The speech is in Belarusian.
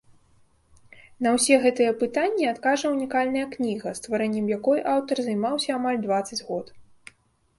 На ўсе гэтыя пытанні адкажа ўнікальная кніга, стварэннем якой аўтар займаўся амаль дваццаць год.